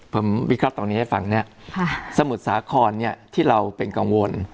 ผมวิกฤตตรงนี้ให้ฟังเนี่ยค่ะสมุดสาขอนเนี่ยที่เราเป็นกังวล